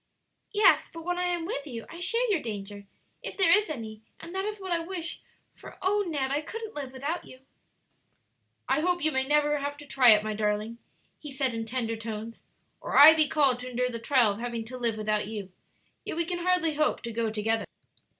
"Yes; but when I am with you I share your danger, if there is any, and that is what I wish; for oh, Ned, I couldn't live without you!" "I hope you may never have to try it, my darling," he said, in tender tones, "or I be called to endure the trial of having to live without you; yet we can hardly hope to go together.